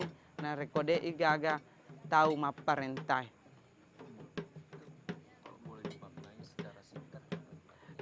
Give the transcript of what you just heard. kalau boleh dipakai secara singkat